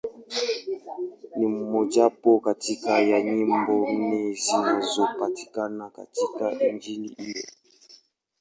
Ni mmojawapo kati ya nyimbo nne zinazopatikana katika Injili hiyo.